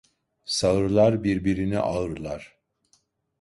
Sağırlar birbirini ağırlar.